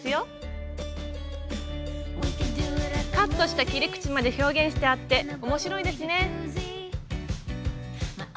カットした切り口まで表現してあって面白いですね。